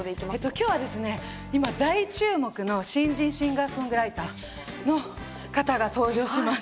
今大注目の新人シンガーソングライターの方が登場します。